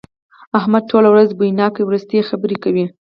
احمد ټوله ورځ بويناکې ورستې خبرې کوي.